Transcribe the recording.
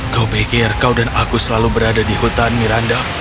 kau pikir kau dan aku selalu berada di hutan miranda